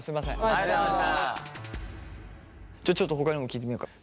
じゃちょっとほかにも聞いてみようか。